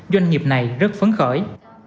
doanh nghiệp này rất phấn khởi